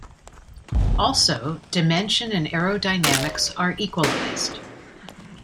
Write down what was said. Also, dimension and aerodynamics are equalised.